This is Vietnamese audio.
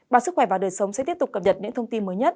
báo sức khỏe và đời sống sẽ tiếp tục cập nhật những thông tin mới nhất